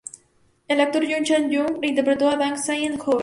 El actor Yoon Chan Young interpretó a Ddang-sae de joven.